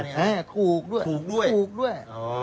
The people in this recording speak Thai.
คูกด้วย